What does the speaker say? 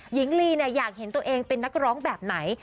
หญิงลีอยากเห็นตัวเองเป็นนักร้องแบบไหน